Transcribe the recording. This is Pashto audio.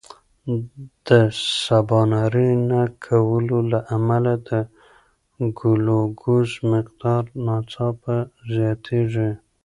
د سباناري نه کولو له امله د ګلوکوز مقدار ناڅاپه زیاتېږي.